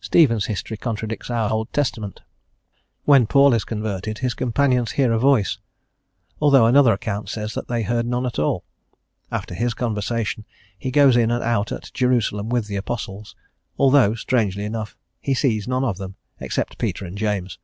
Stephen's history contradicts our Old Testament. When Paul is converted, his companions hear a voice, although another account says that they heard none at all. After his conversion he goes in and out at Jerusalem with the Apostles, although, strangely enough, he sees none of them, except Peter and James.